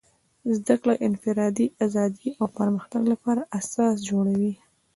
زدهکړه د انفرادي ازادۍ او پرمختګ لپاره اساس جوړوي.